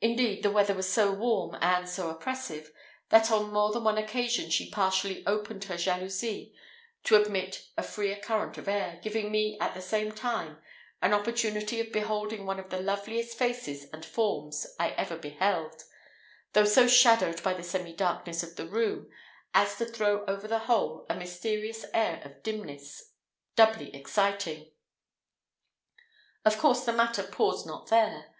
Indeed, the weather was so warm and so oppressive, that on more than one occasion she partially opened her jalousie to admit a freer current of air, giving me, at the same time, an opportunity of beholding one of the loveliest faces and forms I ever beheld, though so shadowed by the semi darkness of the room, as to throw over the whole a mysterious air of dimness, doubly exciting. Of course the matter paused not here.